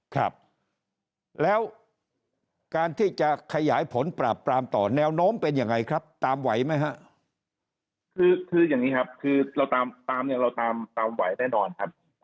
ครับแล้วการที่จะขยายผลปราบตามต่อแนวโน้มเป็นยังไงครับตามไหวไหมครับ